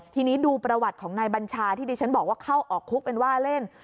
ทีนี้ดูประวัติของนายบัญชาที่ดิฉันบอกว่าเข้าออกคุกเป็นว่าเล่น